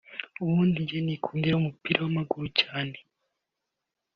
ubundi njye nikundiraga umupira w’amaguru cyane